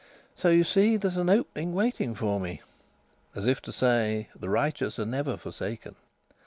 So, you see, there's an opening waiting for me." As if to say, "The righteous are never forsaken."